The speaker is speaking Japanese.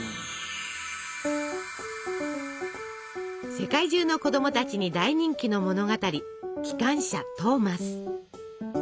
世界中の子供たちに大人気の物語「きかんしゃトーマス」。